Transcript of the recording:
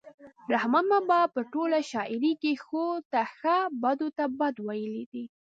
رحمان بابا په ټوله شاعرۍ کې ښو ته ښه بدو ته بد ویلي دي.